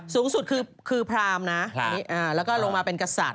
สูตรสูตรคือพราหมณ์นะแล้วก็ลงมาเป็นกษัตร